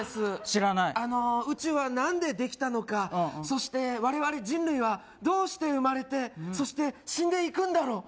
知らないあの宇宙は何でできたのかそして我々人類はどうして生まれてそして死んでいくんだろう？